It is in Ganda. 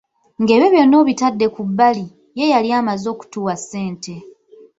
Ng'ebyo byonna obitadde ku bbali, ye yali amaze okutuwa ssente.